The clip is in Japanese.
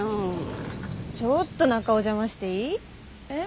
ちょっと中お邪魔していい？え？